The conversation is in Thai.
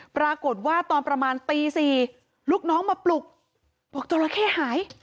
ปรากฏว่าตอนประมาณตี๔ลูกน้องมาปลุกบอกจราเข้หาย